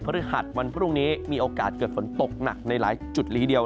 เพราะฤทธิ์หัดวันพรุ่งนี้มีโอกาสเกิดฝนตกหนักในหลายจุดหรือเดียว